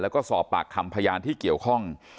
แล้วก็สอบปากคำพยานที่เกี่ยวข้อง